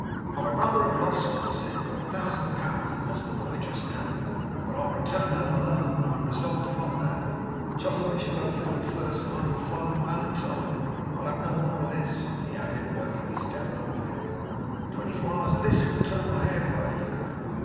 'I would rather have lost,' he said, 'a thousand pounds than lost the boy just now. But I'll return home alone. I am resolved upon that. Chuzzlewit shall go forward first, and I will follow in my own time. I'll have no more of this,' he added, wiping his damp forehead. 'Twenty four hours of this would turn my hair grey!